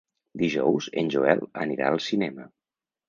Dijous en Joel anirà al cinema.